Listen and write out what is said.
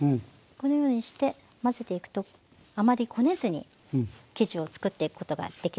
このようにして混ぜていくとあまりこねずに生地を作っていくことができるんですね。